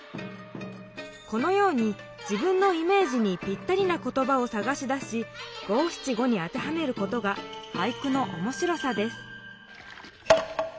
このように自分のイメージにぴったりな言ばをさがし出し「五・七・五」に当てはめることが俳句のおもしろさです